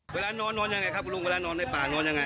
เวลานอนนอนยังไงครับคุณลุงเวลานอนในป่านอนยังไง